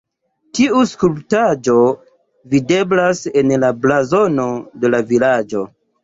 Tiu skulptaĵo videblas en la blazono de la vilaĝo.